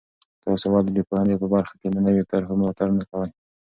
تاسې ولې د پوهنې په برخه کې د نویو طرحو ملاتړ نه کوئ؟